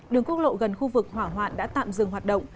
đường quốc lộ gần khu vực hỏa hoạn đã tạm dừng hoạt động